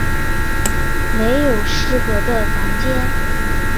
没有适合的房间